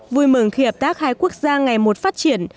vui mừng khi hợp tác hai quốc gia ngày một phát triển